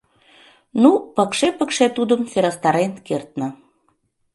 Ну, пыкше-пыкше тудым сӧрастарен кертна.